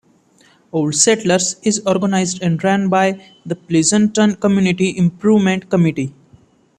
Old Settlers is organized and ran by the Pleasanton Community Improvement Committee.